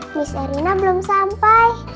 miss erina belum sampai